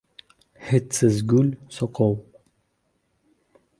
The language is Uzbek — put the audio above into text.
Hidsiz gul — soqov.